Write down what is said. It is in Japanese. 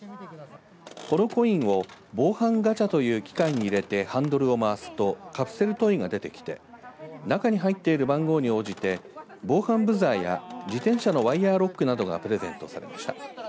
このコインを防犯ガチャという機械に入れてハンドルを回すとカプセルトイが出てきて中に入っている番号に応じて防犯ブザーや自転車のワイヤーロックなどがプレゼントされました。